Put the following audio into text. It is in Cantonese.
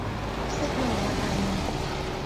息怒啊大人